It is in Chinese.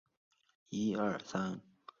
酥油是以驯养的牦牛的产乳制成的黄油。